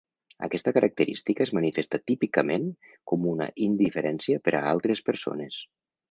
Aquesta característica es manifesta típicament com una indiferència per a altres persones.